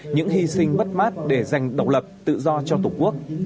những hy sinh bất mát để giành độc lập tự do cho tổ quốc